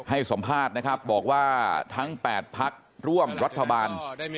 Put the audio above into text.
ให้สัมภาษณ์นะครับบอกว่าทั้ง๘พักร่วมรัฐบาล